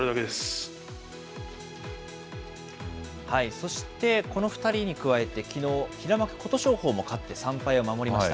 そして、この２人に加えて、きのう、平幕・琴勝峰も勝って３敗を守りました。